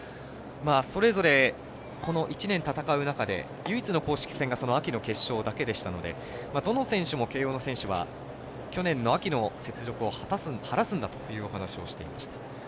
それぞれ、この１年戦う中で唯一の公式戦が秋の決勝だけでしたのでどの選手も慶応の選手は去年の秋の雪辱を晴らすんだという話をしていました。